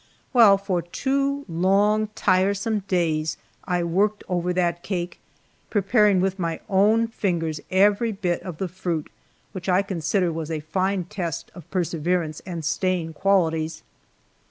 Well, for two long, tiresome days I worked over that cake, preparing with my own fingers every bit of the fruit, which I consider was a fine test of perseverance and staying qualities.